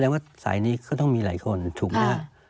ว่าสายนี้ก็ต้องมีหลายคนถูกไหมครับ